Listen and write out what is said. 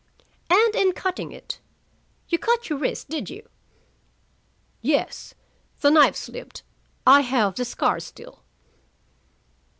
"And in cutting it, you cut your wrist, did you?" "Yes. The knife slipped. I have the scar still."